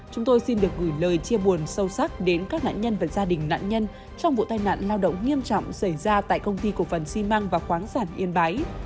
chúng tôi xin được gửi lời chia buồn sâu sắc đến các nạn nhân và gia đình nạn nhân trong vụ tai nạn lao động nghiêm trọng xảy ra tại công ty cổ phần xi măng và khoáng sản yên bái